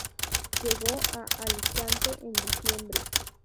Llegó a Alicante en diciembre.